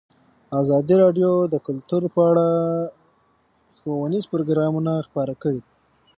ازادي راډیو د کلتور په اړه ښوونیز پروګرامونه خپاره کړي.